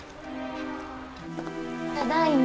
ただいま。